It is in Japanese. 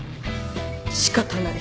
仕方ない。